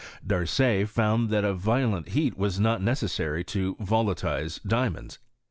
Darcet found that a violent heat wvA not necessary to volatilize diamonds.